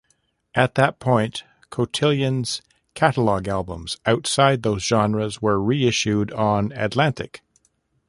At that point, Cotillion's catalog albums outside those genres were reissued on Atlantic.